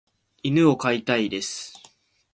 犬を飼いたいです。